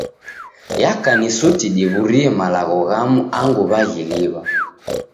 Yaka ni suti diw'urie malagho ghamu angu waghiliw'a.